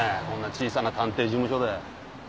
こんな小さな探偵事務所で。